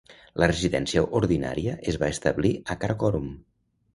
La residència ordinària es va establir a Karakorum.